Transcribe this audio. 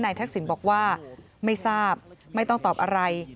ทักษิณบอกว่าไม่ทราบไม่ต้องตอบอะไร